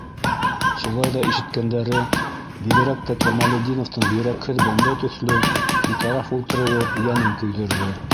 Шулай ҙа ишеткәндәре, бигерәк тә Камалетдиновтың йөрәкһеҙ бәндә төҫлө битараф ултырыуы йәнен көйҙөрҙө.